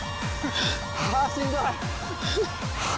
しんどい。